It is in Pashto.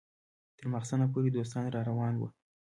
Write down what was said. تر ماخستنه پورې دوستان راروان وو.